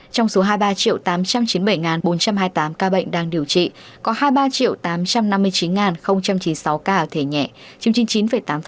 trong số hai mươi ba tám trăm chín mươi bảy bốn trăm hai mươi tám ca bệnh đang điều trị có hai mươi ba tám trăm năm mươi chín chín mươi sáu ca thể nhẹ chiếm trên chín tám